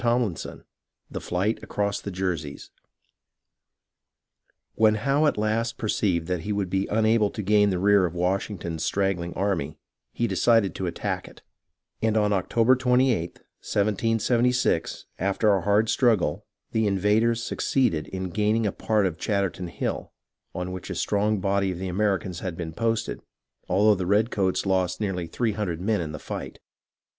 CHAPTER XIV THE FLIGHT ACROSS THE JERSEYS When Howe at last perceived that he would be unable to gain the rear of Washington's straggling army, he decided to attack it, and on October 28th, 1776, after a hard struggle, the invaders succeeded in gaining a part of Chatterton Hill, on which a strong body of the Ameri cans had been posted, although the redcoats lost nearly three hundred men in the fight.